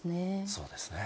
そうですね。